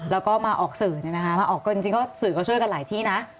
แล้วก็มาออกสื่อจริงก็สื่อก็ช่วยกันหลายที่นะ